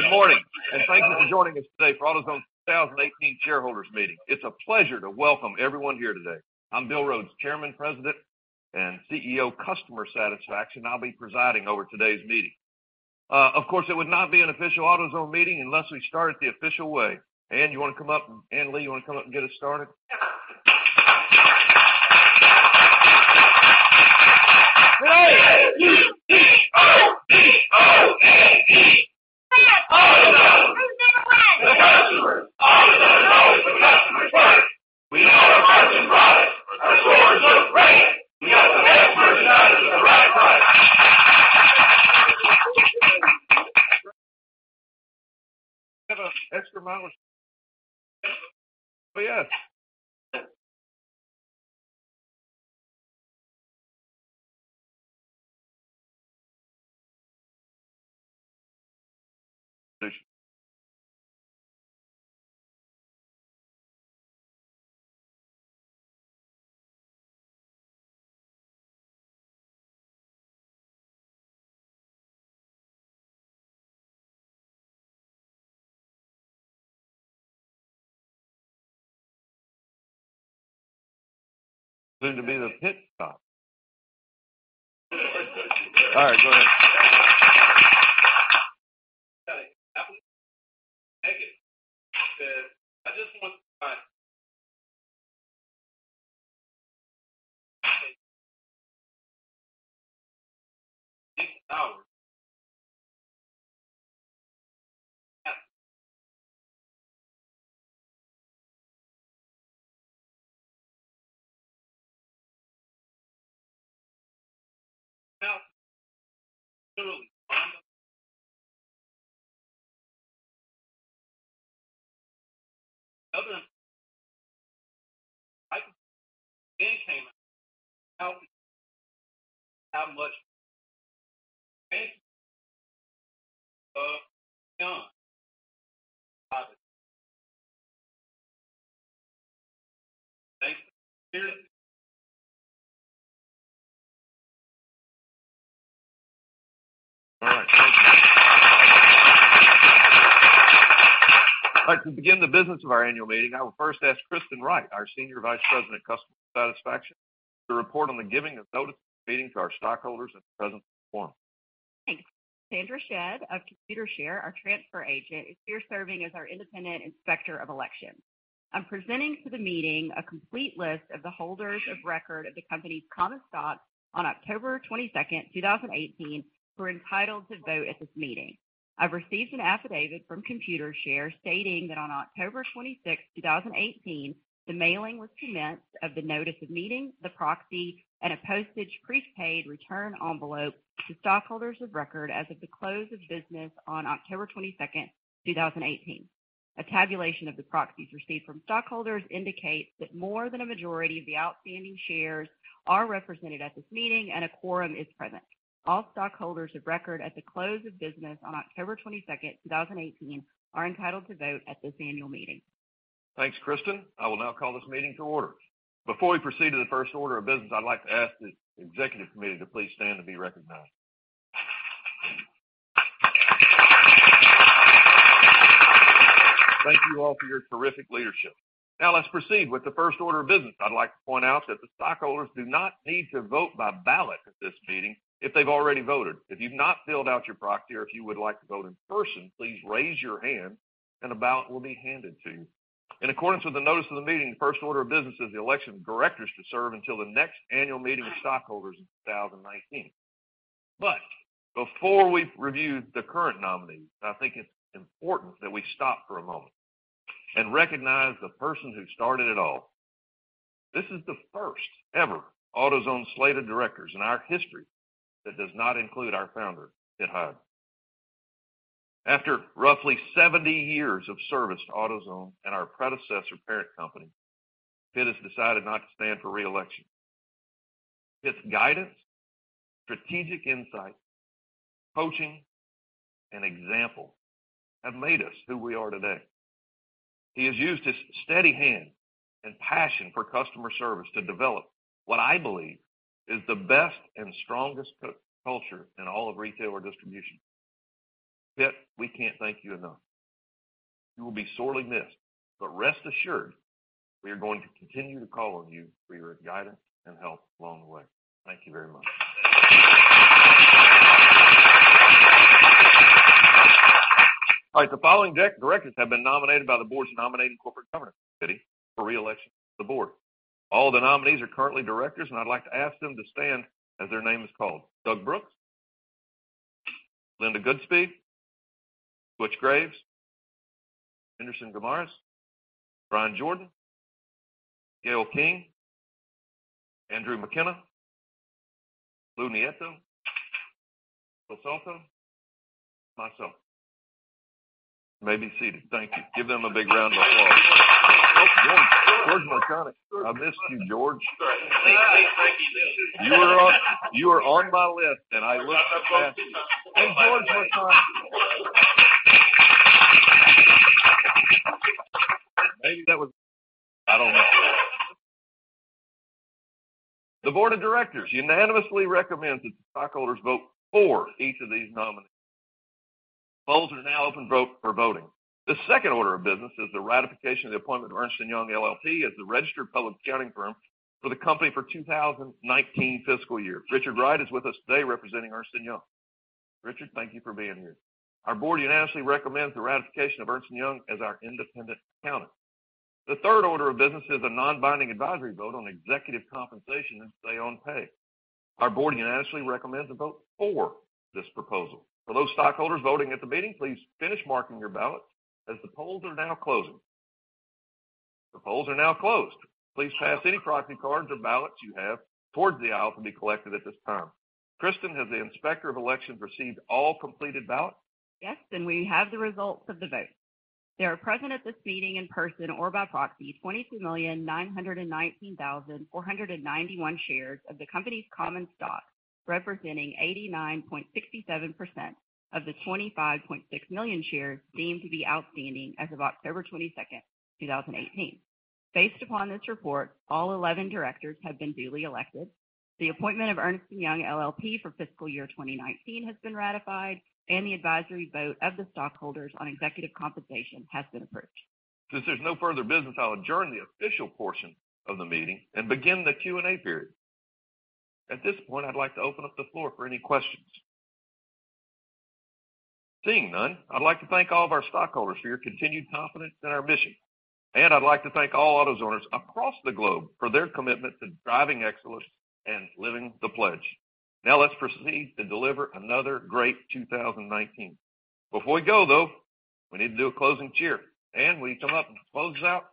Good morning, thank you for joining us today for AutoZone's 2018 Shareholders Meeting. It's a pleasure to welcome everyone here today. I'm Bill Rhodes, Chairman, President, and CEO of Customer Satisfaction. I'll be presiding over today's meeting. Of course, it would not be an official AutoZone meeting unless we start it the official way. Anne, you want to come up? Anne Lee, you want to come up and get us started? Sure. Great. A-U-T-O-Z-O-N-E. AutoZone. Who's going to win? The customer. AutoZone always puts the customer first. We are the pricing prize. Our stores look great. We got the best merchandise at the right price. We have an extra mile. Oh, yes. [Seem to be the pit stop]. All right, go ahead. I just want my How much? Thank you. All right. Thank you. I'd like to begin the business of our annual meeting. I will first ask Kristen Wright, our Senior Vice President of Customer Satisfaction, to report on the giving of notice of this meeting to our stockholders and the presence of a quorum. Thanks. Sandra Shedd of Computershare, our transfer agent, is here serving as our independent inspector of elections. I'm presenting to the meeting a complete list of the holders of record of the company's common stock on October 22nd, 2018, who are entitled to vote at this meeting. I've received an affidavit from Computershare stating that on October 26th, 2018, the mailing was commenced of the notice of meeting, the proxy, and a postage prepaid return envelope to stockholders of record as of the close of business on October 22nd, 2018. A tabulation of the proxies received from stockholders indicates that more than a majority of the outstanding shares are represented at this meeting and a quorum is present. All stockholders of record at the close of business on October 22nd, 2018, are entitled to vote at this annual meeting. Thanks, Kristen. I will now call this meeting to order. Before we proceed to the first order of business, I'd like to ask the executive committee to please stand and be recognized. Thank you all for your terrific leadership. Let's proceed with the first order of business. I'd like to point out that the stockholders do not need to vote by ballot at this meeting if they've already voted. If you've not filled out your proxy or if you would like to vote in person, please raise your hand and a ballot will be handed to you. In accordance with the notice of the meeting, the first order of business is the election of directors to serve until the next annual meeting of stockholders in 2019. Before we review the current nominees, I think it's important that we stop for a moment and recognize the person who started it all. This is the first ever AutoZone slate of directors in our history that does not include our founder, Pitt Hyde. After roughly 70 years of service to AutoZone and our predecessor parent company, Pitt has decided not to stand for re-election. Pitt's guidance, strategic insight, coaching, and example have made us who we are today. He has used his steady hand and passion for customer service to develop what I believe is the best and strongest culture in all of retail or distribution. Pitt, we can't thank you enough. You will be sorely missed, but rest assured, we are going to continue to call on you for your guidance and help along the way. Thank you very much. All right. The following directors have been nominated by the board's Nominating and Corporate Governance Committee for re-election to the board. All the nominees are currently directors, and I'd like to ask them to stand as their name is called. Doug Brooks, Linda Goodspeed, Butch Graves, Enderson Guimaraes, D. Bryan Jordan, Gale V. King, Andrew McKenna, Lou Nieto, Michael Soto, and myself. You may be seated. Thank you. Give them a big round of applause. Oh, George. George Mrkonic. I missed you, George. Sorry. You were on my list, and I looked Hey, George Mrkonic. The board of directors unanimously recommends that stockholders vote for each of these nominees. Polls are now open for voting. The second order of business is the ratification of the appointment of Ernst & Young LLP as the registered public accounting firm for the company for 2019 fiscal year. Richard Wright is with us today representing Ernst & Young. Richard, thank you for being here. Our board unanimously recommends the ratification of Ernst & Young as our independent accountant. The third order of business is a non-binding advisory vote on executive compensation and say on pay. Our board unanimously recommends a vote for this proposal. For those stockholders voting at the meeting, please finish marking your ballots as the polls are now closing. The polls are now closed. Please pass any proxy cards or ballots you have towards the aisle to be collected at this time. Kristen, has the Inspector of Elections received all completed ballots? Yes, we have the results of the vote. There are present at this meeting in person or by proxy, 22,919,491 shares of the company's common stock, representing 89.67% of the 25.6 million shares deemed to be outstanding as of October 22nd, 2018. Based upon this report, all 11 directors have been duly elected. The appointment of Ernst & Young LLP for fiscal year 2019 has been ratified, and the advisory vote of the stockholders on executive compensation has been approved. Since there's no further business, I'll adjourn the official portion of the meeting and begin the Q&A period. At this point, I'd like to open up the floor for any questions. Seeing none, I'd like to thank all of our stockholders for your continued confidence in our mission. I'd like to thank all AutoZoners across the globe for their commitment to driving excellence and living the pledge. Now let's proceed to deliver another great 2019. Before we go, though, we need to do a closing cheer. Anne, will you come up and close us out?